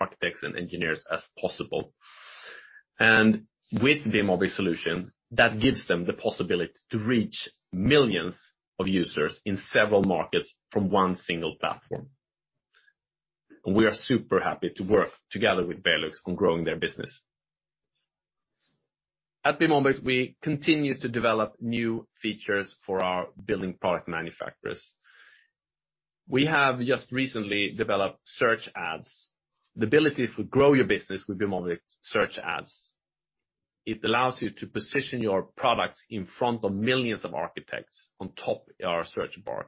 Architects and engineers as possible. With BIMobject solution, that gives them the possibility to reach millions of users in several markets from one single platform. We are super happy to work together with VELUX on growing their business. At BIMobject, we continue to develop new features for our building product manufacturers. We have just recently developed Search ads, the ability to grow your business with BIMobject Search ads. It allows you to position your products in front of millions of architects on top of our search bar.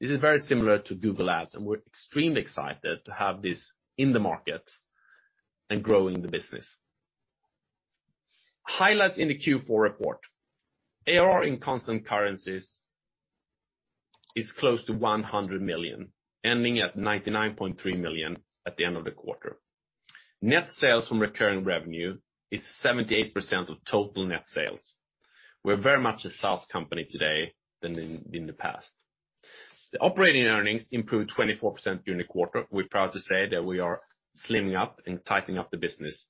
This is very similar to Google Ads, and we're extremely excited to have this in the market and growing the business. Highlights in the Q4 report. AR in constant currencies is close to 100 million, ending at 99.3 million at the end of the quarter. Net sales from recurring revenue is 78% of total net sales. We're more of a sales company today than in the past. The operating earnings improved 24% during the quarter. We're proud to say that we are slimming up and tightening up the business.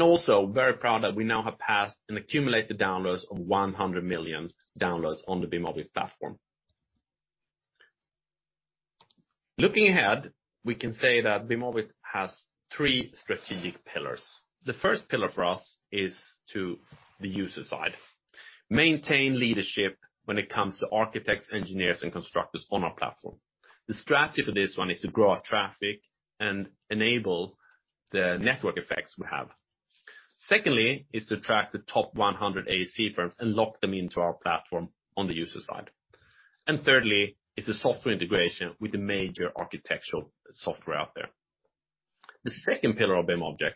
Also very proud that we now have passed an accumulated downloads of 100 million downloads on the BIMobject platform. Looking ahead, we can say that BIMobject has three strategic pillars. The first pillar for us is the user side. Maintain leadership when it comes to architects, engineers, and constructors on our platform. The strategy for this one is to grow our traffic and enable the network effects we have. Secondly is to attract the top 100 AEC firms and lock them into our platform on the user side. Thirdly is the software integration with the major architectural software out there. The second pillar of BIMobject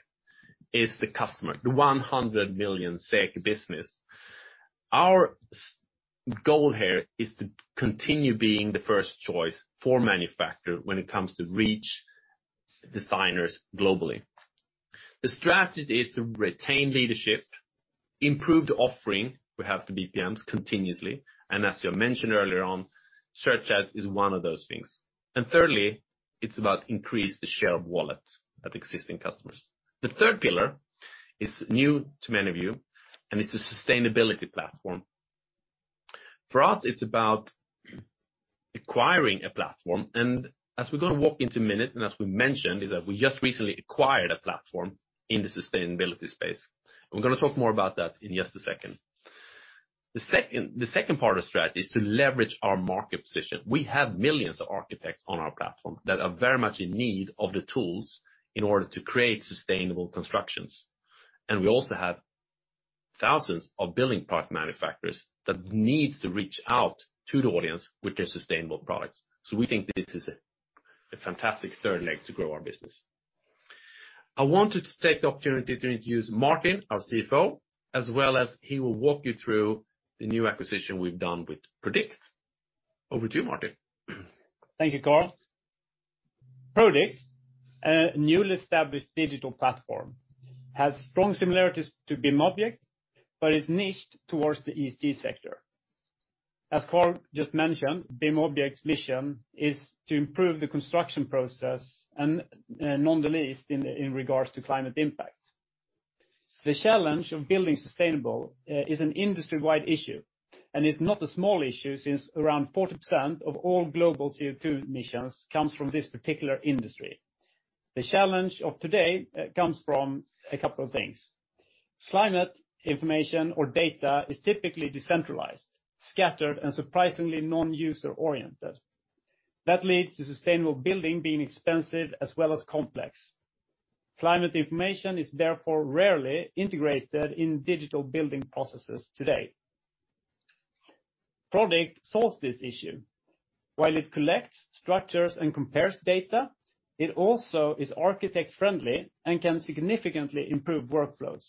is the customer, the 100 million business. Our goal here is to continue being the first choice for manufacturer when it comes to reach designers globally. The strategy is to retain leadership, improve the offering, we have the KPIs continuously, and as you mentioned earlier on, Search ad is one of those things. Thirdly, it's about increase the share of wallet of existing customers. The third pillar is new to many of you, and it's a sustainability platform. For us, it's about acquiring a platform, and as we're gonna walk you through in a minute, and as we mentioned, is that we just recently acquired a platform in the sustainability space. We're gonna talk more about that in just a second. The second part of the strategy is to leverage our market position. We have millions of architects on our platform that are very much in need of the tools in order to create sustainable constructions. We also have thousands of building product manufacturers that needs to reach out to the audience with their sustainable products. We think this is a fantastic third leg to grow our business. I wanted to take the opportunity to introduce Martin, our CFO, as well as he will walk you through the new acquisition we've done with Prodikt. Over to you, Martin. Thank you, Carl. Prodikt, a newly established digital platform, has strong similarities to BIMobject, but is niche towards the ESG sector. As Carl just mentioned, BIMobject's mission is to improve the construction process, and not the least in regards to climate impact. The challenge of building sustainable is an industry-wide issue, and it's not a small issue since around 40% of all global CO2 emissions comes from this particular industry. The challenge of today comes from a couple of things. Climate information or data is typically decentralized, scattered, and surprisingly non-user-oriented. That leads to sustainable building being expensive as well as complex. Climate information is therefore rarely integrated in digital building processes today. Prodikt solves this issue. While it collects, structures, and compares data, it also is architect-friendly and can significantly improve workflows.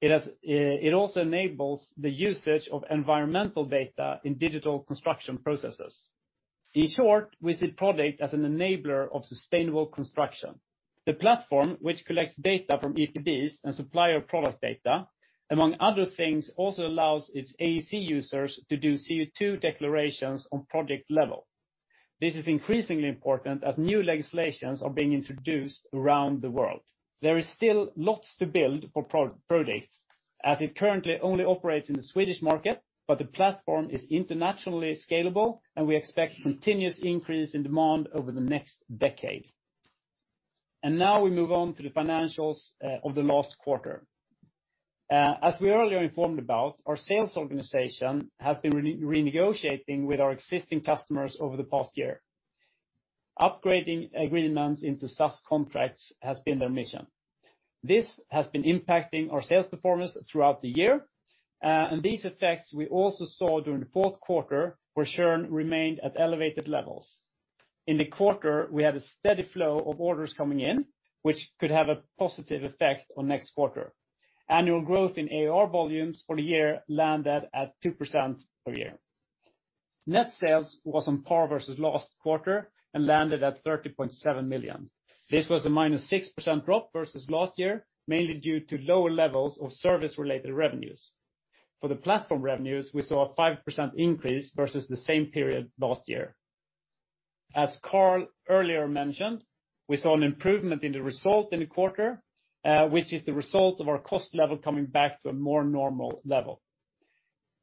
It also enables the usage of environmental data in digital construction processes. In short, we see Prodikt as an enabler of sustainable construction. The platform, which collects data from EPDs and supplier product data, among other things, also allows its AEC users to do CO2 declarations on project level. This is increasingly important as new legislations are being introduced around the world. There is still lots to build for Prodikt, as it currently only operates in the Swedish market, but the platform is internationally scalable, and we expect continuous increase in demand over the next decade. Now we move on to the financials of the last quarter. As we earlier informed about, our sales organization has been renegotiating with our existing customers over the past year. Upgrading agreements into SaaS contracts has been their mission. This has been impacting our sales performance throughout the year, and these effects we also saw during the fourth quarter, where churn remained at elevated levels. In the quarter, we had a steady flow of orders coming in, which could have a positive effect on next quarter. Annual growth in AR volumes for the year landed at 2% per year. Net sales was on par versus last quarter and landed at 30.7 million. This was a -6% drop versus last year, mainly due to lower levels of service-related revenues. For the platform revenues, we saw a 5% increase versus the same period last year. As Carl earlier mentioned, we saw an improvement in the result in the quarter, which is the result of our cost level coming back to a more normal level.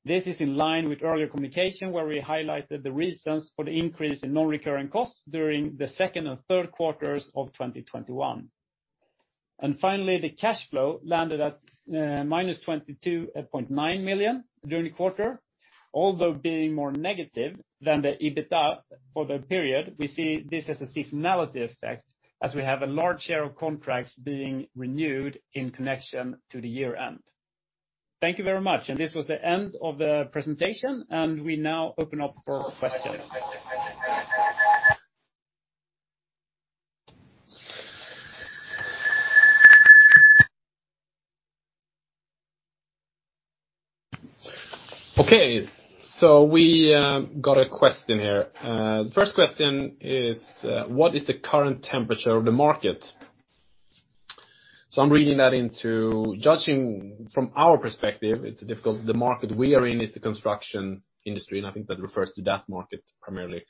This is in line with earlier communication, where we highlighted the reasons for the increase in non-recurring costs during the second and third quarters of 2021. Finally, the cash flow landed at -22.9 million during the quarter. Although being more negative than the EBITDA for the period, we see this as a seasonality effect, as we have a large share of contracts being renewed in connection to the year-end. Thank you very much, and this was the end of the presentation, and we now open up for questions. Okay, we got a question here. The first question is, what is the current temperature of the market? Regarding that, judging from our perspective, it's difficult. The market we are in is the construction industry, and I think that refers to that market primarily.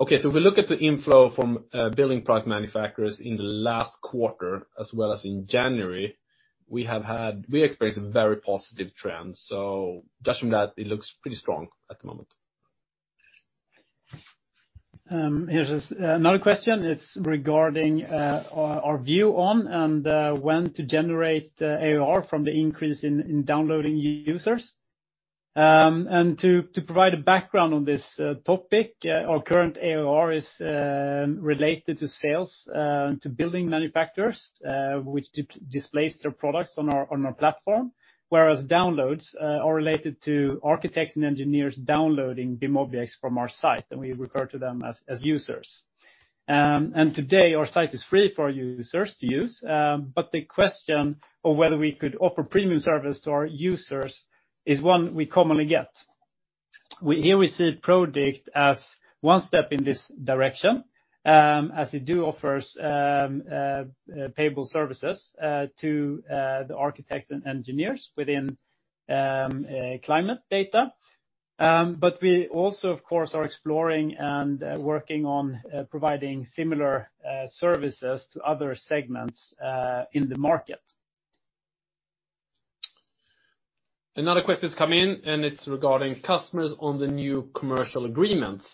Okay, if we look at the inflow from building product manufacturers in the last quarter as well as in January, we experienced very positive trends. Judging that, it looks pretty strong at the moment. Here's another question. It's regarding our view on when to generate ARR from the increase in downloading users. To provide a background on this topic, our current ARR is related to sales to building manufacturers, which display their products on our platform, whereas downloads are related to architects and engineers downloading BIM objects from our site, and we refer to them as users. Today, our site is free for users to use, but the question of whether we could offer premium service to our users is one we commonly get. Here we see Prodikt as one step in this direction, as it does offer payable services to the architects and engineers within climate data. We also, of course, are exploring and working on providing similar services to other segments in the market. Another question's come in, and it's regarding customers on the new commercial agreements.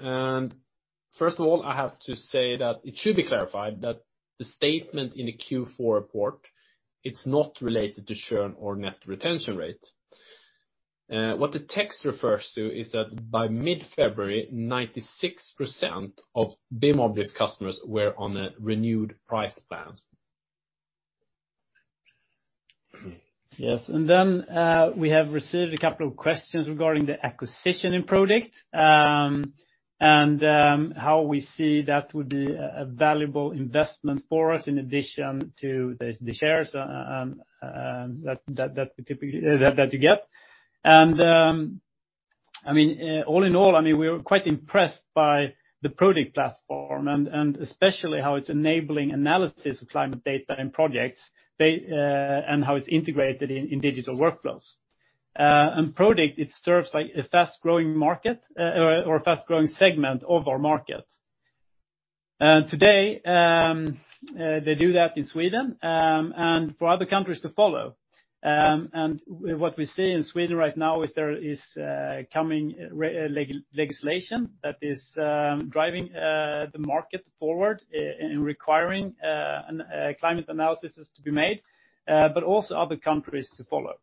First of all, I have to say that it should be clarified that the statement in the Q4 report, it's not related to churn or net retention rate. What the text refers to is that by mid-February, 96% of BIMobject's customers were on a renewed price plans. Yes. We have received a couple of questions regarding the acquisition in Prodikt and how we see that would be a valuable investment for us in addition to the shares that you get. All in all, I mean, we're quite impressed by the Prodikt platform and especially how it's enabling analysis of climate data and projects and how it's integrated in digital workflows. Prodikt, it serves like a fast-growing market or a fast-growing segment of our market. Today, they do that in Sweden and for other countries to follow. What we see in Sweden right now is coming legislation that is driving the market forward in requiring a climate declaration to be made, but also other countries to follow.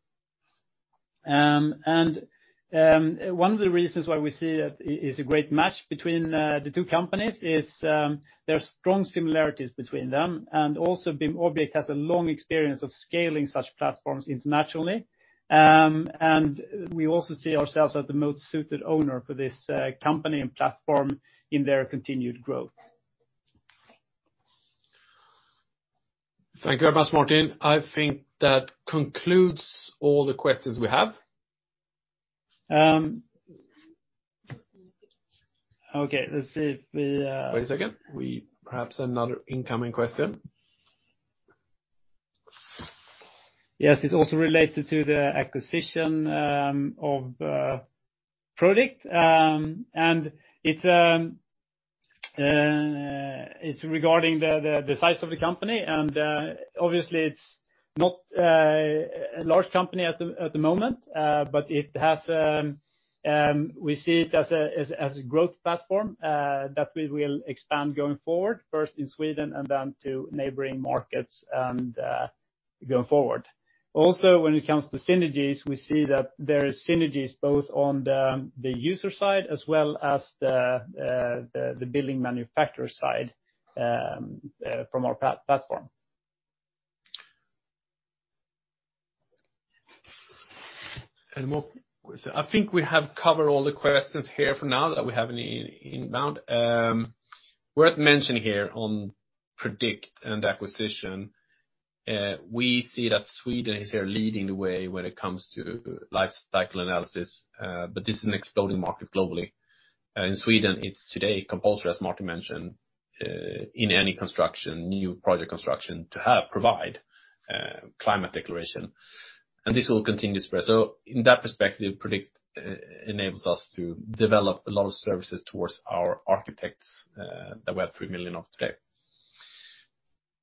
One of the reasons why we see that is a great match between the two companies is there are strong similarities between them. BIMobject has a long experience of scaling such platforms internationally. We also see ourselves as the most suited owner for this company and platform in their continued growth. Thank you very much, Martin. I think that concludes all the questions we have. Okay. Let's see if we... Wait a second. Perhaps another incoming question. Yes. It's also related to the acquisition of Prodikt. It's regarding the size of the company. Obviously, it's not a large company at the moment, but we see it as a growth platform that we will expand going forward, first in Sweden and then to neighboring markets, and going forward. Also, when it comes to synergies, we see that there is synergies both on the user side as well as the building manufacturer side, from our platform. I think we have covered all the questions here for now that we have any inbound. Worth mentioning here on Prodikt and acquisition, we see that Sweden is here leading the way when it comes to life cycle analysis, but this is an exploding market globally. In Sweden, it's today compulsory, as Martin mentioned, in any construction, new project construction, to provide climate declaration, and this will continue to spread. So in that perspective, Prodikt enables us to develop a lot of services towards our architects, that we have 3 million of today.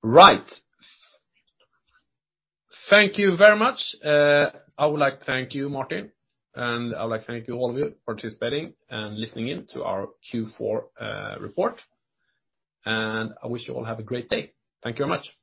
Right. Thank you very much. I would like to thank you, Martin, and I would like to thank you, all of you, participating and listening in to our Q4 report. I wish you all have a great day. Thank you very much.